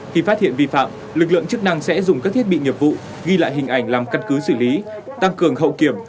khi phát hiện vi phạm lực lượng chức năng sẽ dùng các thiết bị nhiệm vụ ghi lại hình ảnh làm căn cứ xử lý